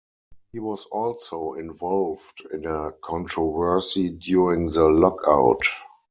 He was also involved in a controversy during the lockout.